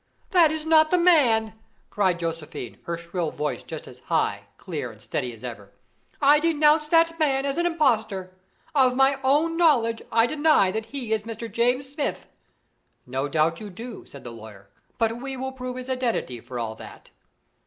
"That is not the man!" cried Josephine, her shrill voice just as high, clear, and steady as ever, "I denounce that man as an impostor. Of my own knowledge, I deny that he is Mr. James Smith." "No doubt you do," said the lawyer; "but we will prove his identity for all that."